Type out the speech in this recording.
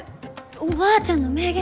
おばあちゃんの名言。